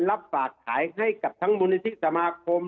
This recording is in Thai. รับฝากขายให้กับทั้งมูลนิธิสมาคม